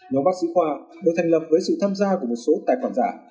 nhóm bác sĩ khoa được thành lập với sự tham gia của một số tài khoản giả